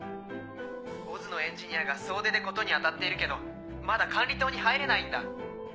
ＯＺのエンジニアが総出で事に当たっているけどまだ管理棟に入れないんだ。